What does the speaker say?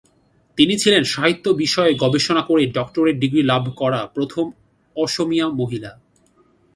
তিনি ছিলেন সাহিত্য বিষয়ে গবেষণা করে ডক্টরেট ডিগ্রী লাভ করা প্রথম অসমীয়া মহিলা।